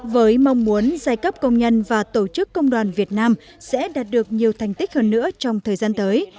với mong muốn giai cấp công nhân và tổ chức công đoàn việt nam sẽ đạt được nhiều thành tích hơn nữa trong thời gian tới